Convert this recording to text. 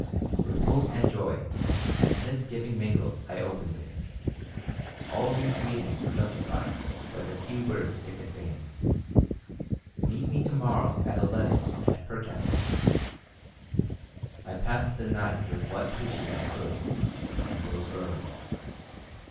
With hope and joy and misgiving mingled I opened it. All these feelings were justified by the few words it contained: "Meet me to morrow at eleven at Pircappies." I passed the night with what patience I could, and rose early.